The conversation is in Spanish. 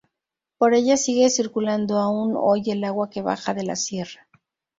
Por ella sigue circulando aún hoy el agua que baja de la sierra.